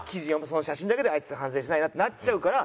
その写真だけで「あいつ反省してないな」ってなっちゃうから。